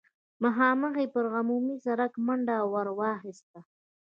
مخامخ يې پر عمومي سړک منډه ور واخيسته.